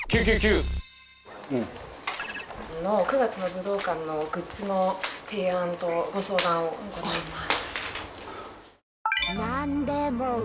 ９月の武道館のグッズの提案とご相談を行います。